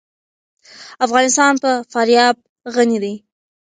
افغانستان په فاریاب غني دی.